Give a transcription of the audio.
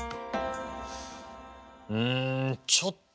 うんちょっと